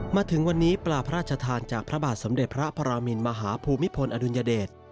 มาถึงวันนี้ปลาพระชาทานจากพระบาทสำเร็จพระพรามิณมหาภูมิพภนอดุญเดต